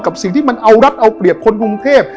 สิ่งที่มันเอารัฐเอาเปรียบคนกรุงเทพ